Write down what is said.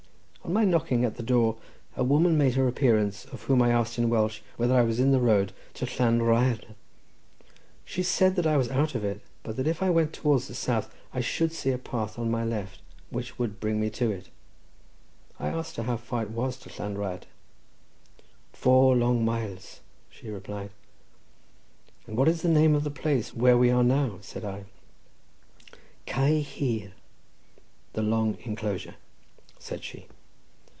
On my knocking at the door, a woman made her appearance, of whom I asked in Welsh whether I was in the road to Llan Rhyadr. She said that I was out of it, but that if I went towards the south I should see a path on my left which would bring me to it. I asked her how far it was to Llan Rhyadr. "Four long miles," she replied. "And what is the name of the place where we are now?" said I. "Cae Hir" (the long inclosure), said she.